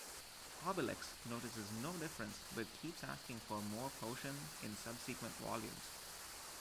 Obelix notices no difference, but keeps asking for more potion in subsequent volumes.